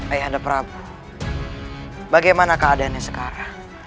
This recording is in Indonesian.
ayahda prabowo bagaimana keadaannya sekarang